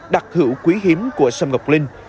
đặc hữu quý hiếm của sâm ngọc linh